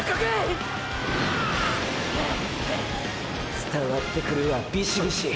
伝わってくるわビシビシ。